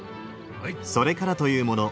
それからというもの